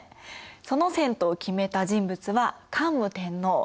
その遷都を決めた人物は桓武天皇。